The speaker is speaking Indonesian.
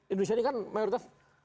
indonesia ini kan mayoritas